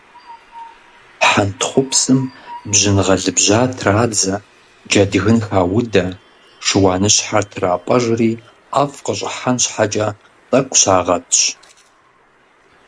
Хьэнтхъупсым бжьын гъэлыбжьа традзэ, джэдгын хаудэ, шыуаныщхьэр трапӀэжри ӀэфӀ къыщӀыхьэн щхьэкӀэ тӏэкӏу щагъэтщ.